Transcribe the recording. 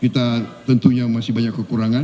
kita tentunya masih banyak kekurangan